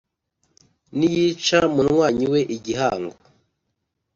niyica munywanyi we igihango